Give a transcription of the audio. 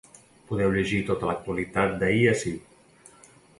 Podeu llegir tota l’actualitat d’ahir ací.